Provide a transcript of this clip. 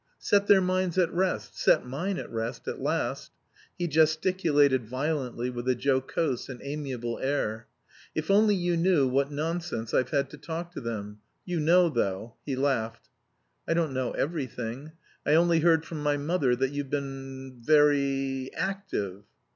"Set their minds at rest. Set mine at rest at last." He gesticulated violently with a jocose and amiable air. "If only you knew what nonsense I've had to talk to them. You know, though." He laughed. "I don't know everything. I only heard from my mother that you've been... very active."